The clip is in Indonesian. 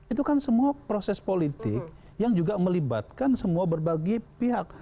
itu kan semua proses politik yang juga melibatkan semua berbagai pihak